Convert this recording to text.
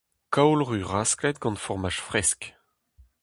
Kaol ruz rasklet gant fourmaj fresk.